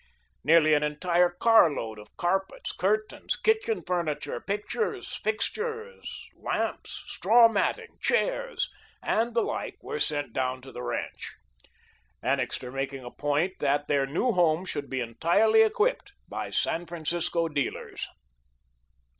Nearly an entire car load of carpets, curtains, kitchen furniture, pictures, fixtures, lamps, straw matting, chairs, and the like were sent down to the ranch, Annixter making a point that their new home should be entirely equipped by San Francisco dealers.